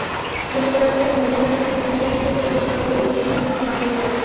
যুক্তরাজ্যের মূলধারার কোনো টিভি চ্যানেলে প্রদর্শিত এটিই প্রথম কোনো বাংলা চলচ্চিত্র।